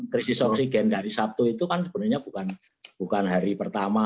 krisis oksigen dari sabtu itu kan sebenarnya bukan hari pertama